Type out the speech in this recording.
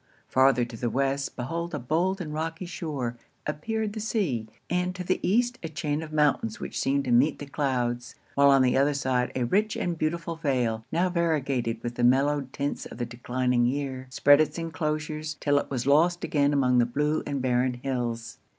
Farther to the West, beyond a bold and rocky shore, appeared the sea; and to the East, a chain of mountains which seemed to meet the clouds; while on the other side, a rich and beautiful vale, now variegated with the mellowed tints of the declining year, spread its enclosures, 'till it was lost again among the blue and barren hills.